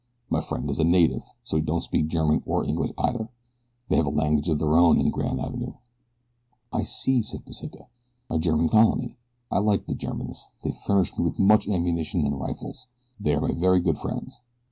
My friend is a native, so he don't speak German or English either they have a language of their own in 'Gran' Avenoo'." "I see," said Pesita "a German colony. I like the Germans they furnish me with much ammunition and rifles. They are my very good friends.